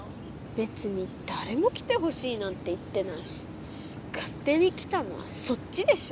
べつにだれも来てほしいなんて言ってないしかっ手に来たのはそっちでしょ。